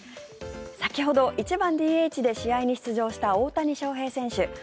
先ほど１番ＤＨで試合に出場した大谷翔平選手。